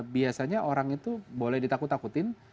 biasanya orang itu boleh ditakut takutin